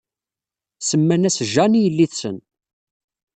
Semman-as Jane i yelli-tsen.